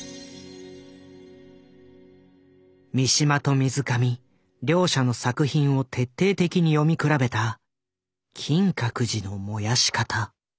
三島と水上両者の作品を徹底的に読み比べた「金閣寺の燃やし方」。